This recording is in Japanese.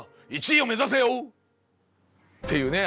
１位を目指せよ！っていうね